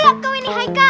ya like seneng seneng juga